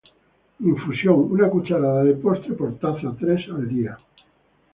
Infusión: una cucharada de postre por taza, tres al día.